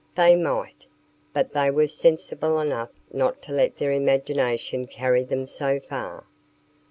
They might, but they were sensible enough not to let their imagination carry them so far.